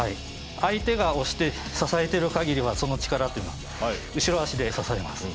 相手が押して支えてる限りはその力っていうのは後ろ足で支えます。